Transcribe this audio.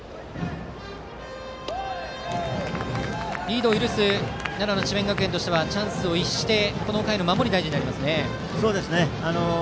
リードを許す奈良の智弁学園としてはチャンスを逸してこの回の守りを大事になりますね。